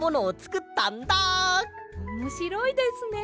おもしろいですね。